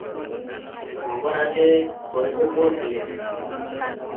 ମଙ୍ଗରାଜେ ଗରିବ ପୁଅ ଥିଲେ ।